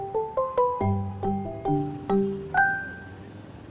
terus kamu fakir siapa ya